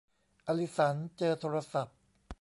อลิสันเจอโทรศัพท์